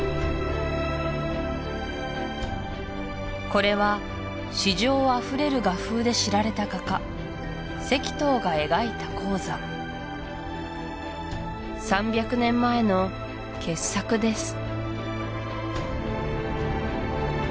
これは詩情あふれる画風で知られた画家石濤が描いた黄山３００年前の傑作です